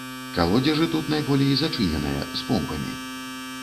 Калодзежы тут найболей зачыненыя, з помпамі.